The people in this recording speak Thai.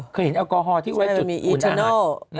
เคยเห็นแอลกอฮอล์ที่ไว้จุดอุนหาด